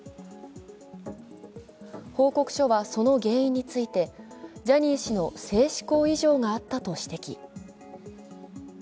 報告書はその原因についてジャニー氏の性しこう異常があったと指摘。